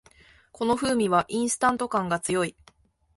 この風味はインスタント感が強い